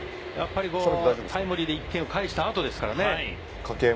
やっぱりタイムリーで１点を返したあとですからね。